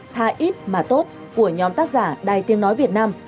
thà ít mà tốt của nhóm tác giả đài tiếng nói việt nam